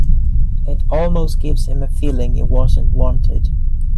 It almost gives him a feeling he wasn't wanted.